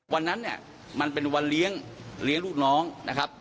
วันนั้นเนี่ยมันเป็นวันเลี้ยงลูกน้องนะครับ